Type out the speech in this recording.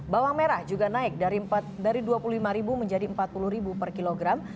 bawang merah juga naik dari rp dua puluh lima menjadi rp empat puluh per kilogram